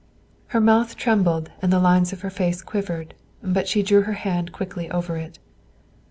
Her mouth trembled and the lines of her face quivered, but she drew her hand quickly over it.